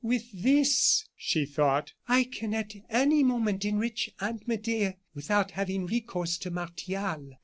"With this," she thought, "I can at any moment enrich Aunt Medea without having recourse to Martial."